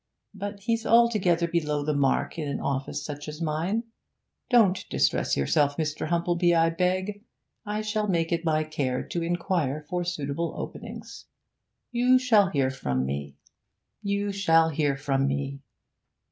But he's altogether below the mark in an office such as mine. Don't distress yourself, Mr. Humplebee, I beg, I shall make it my care to inquire for suitable openings; you shall hear from me you shall hear from me.